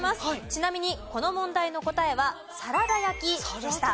ちなみにこの問題の答えはサラダ焼でした。